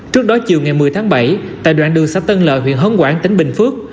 trước đó chiều ngày một mươi tháng bảy tại đoạn đường xã tân lợi huyện hớn quảng tỉnh bình phước